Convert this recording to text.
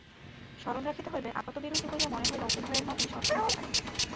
স্মরণ রাখিতে হইবে, আপাতবিরোধী বলিয়া মনে হইলেও উভয়ের মতই সত্য হইতে পারে।